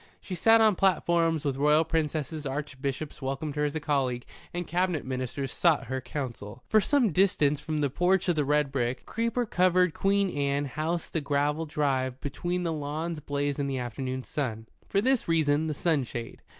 She sat on platforms with Royal princesses, Archbishops welcomed her as a colleague, and Cabinet Ministers sought her counsel. For some distance from the porch of the red brick, creeper covered Queen Anne house the gravel drive between the lawns blazed in the afternoon sun. For this reason, the sunshade.